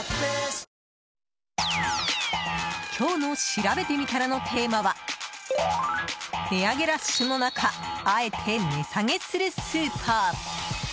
今日のしらべてみたらのテーマは値上げラッシュの中あえて値下げするスーパー。